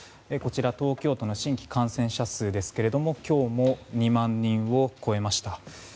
こちら東京都の新規感染者数ですけども今日も２万人を超えました。